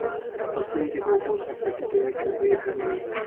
په سیند کې د اوبو سطحه ټیټه وه، چې اوبه يې کمې وې.